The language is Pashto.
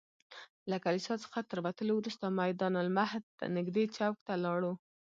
له کلیسا څخه تر وتلو وروسته میدان المهد نږدې چوک ته لاړو.